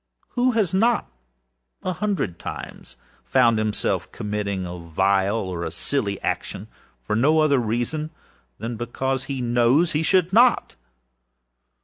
Who has not, a hundred times, found himself committing a vile or a silly action, for no other reason than because he knows he should not?